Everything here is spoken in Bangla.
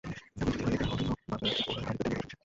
এমন যদি হয় এটা অডিয়ো বাগ আর ওরা আড়ি পেতে আমাদের কথা শুনছে?